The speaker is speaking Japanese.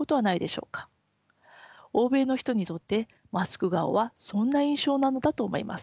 欧米の人にとってマスク顔はそんな印象なのだと思います。